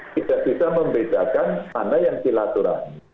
tidak bisa membedakan mana yang silaturahmi